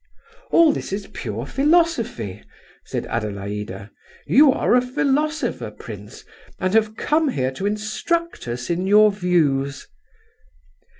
"All this is pure philosophy," said Adelaida. "You are a philosopher, prince, and have come here to instruct us in your views."